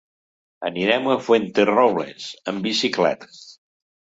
Anirem a Fuenterrobles amb bicicleta.